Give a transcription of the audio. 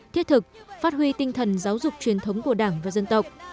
thiết thực phát huy tinh thần giáo dục truyền thống của đảng và dân tộc